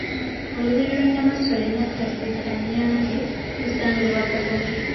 Olubiri lwa Nnamasole Nnakazi Kannyange lusangibwa Kagoma.